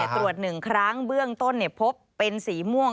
ตรวจ๑ครั้งเบื้องต้นพบเป็นสีม่วง